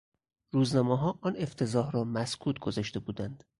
روزنامهها آن افتضاح را مسکوت گذاشته بودند.